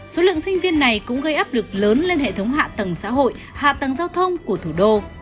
số lượng sinh viên này cũng gây áp lực lớn lên hệ thống hạ tầng xã hội hạ tầng giao thông của thủ đô